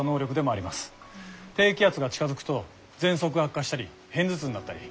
低気圧が近づくとぜんそくが悪化したり偏頭痛になったり。